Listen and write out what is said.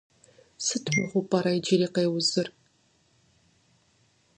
Сыт мыгъуэу пӏэрэ иджыри къеузыр?